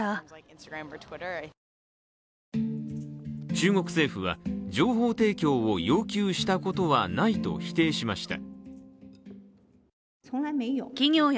中国政府は、情報提供を要求したことはないと否定しました。